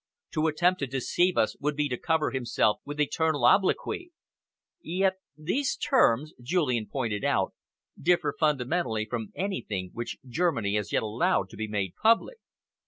To attempt to deceive us would be to cover himself with eternal obloquy." "Yet these terms," Julian pointed out, "differ fundamentally from anything which Germany has yet allowed to be made public."